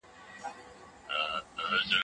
ایا تکړه خرڅوونکي انځر خرڅوي؟